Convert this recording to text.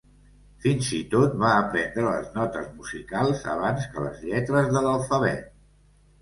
Fins i tot va aprendre les notes musicals abans que les lletres de l’alfabet.